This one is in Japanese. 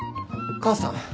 母さん！？